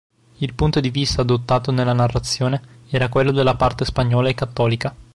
Il punto di vista adottato nella narrazione era quello della parte spagnola e cattolica.